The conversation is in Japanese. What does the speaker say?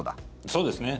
そうですね。